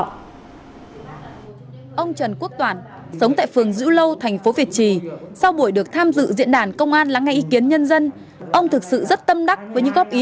ông trần quốc toản sống tại phường dữ lâu thành phố việt trì